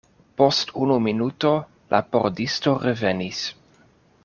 Post unu minuto la pordisto revenis.